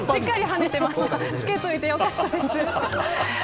つけといてよかったです。